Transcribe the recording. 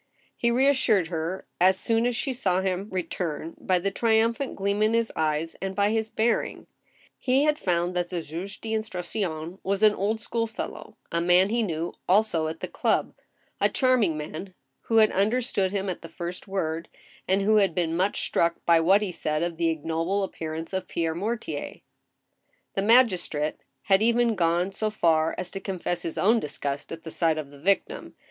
He reassured her, as soon as she saw him return, by the tri umphant gleam in his eyes, and by his bearing. He had found that iht jug^e d* instruction was an old school fellow; a man he knew, also, at the club ; a charming man ; who had understood him at the first word, and who had been much struck by what he said of the ignoble appearance of Pierre Mortier. THE 'INDICTMENT DRA WN UP, i g I The magistrate had even gone so far as to confess his own dis gust at the sight of the victim.